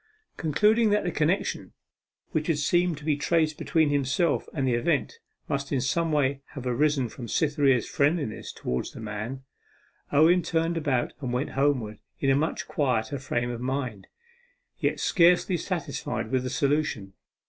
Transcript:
Concluding that the connection which had seemed to be traced between himself and the event must in some way have arisen from Cytherea's friendliness towards the man, Owen turned about and went homewards in a much quieter frame of mind yet scarcely satisfied with the solution.